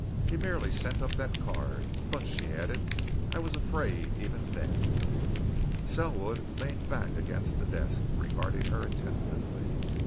He merely sent up that card. But," she added, "I was afraid even then." Selwood leaned back against the desk, regarding her attentively.